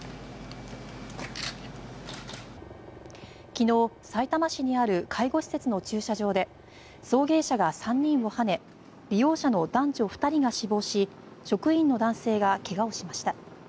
昨日、さいたま市にある介護施設の駐車場で送迎車が３人をはね利用者の男女２人が死亡し職員の男性が怪我をしました。